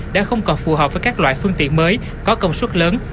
đã không còn phù hợp với các loại phương tiện mới có công suất lớn